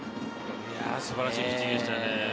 素晴らしいピッチングでしたね。